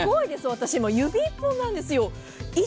私、今、指一本なんですよ。